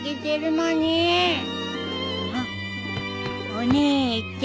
お姉ちゃん。